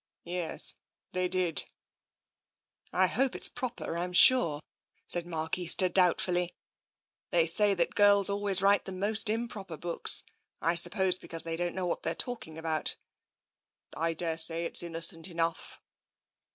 " Yes. They did.'' " I hope it's proper, I'm sure," said Mark Easter doubtfully. " They say that girls always write the most improper books. I suppose because they don't know what they're talking about." " I daresay it's innocent enough."